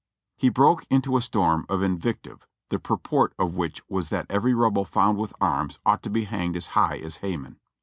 He broke into a storm of invective, the purport of which was that every Rebel found with arms ought to be hanged as high as Haman.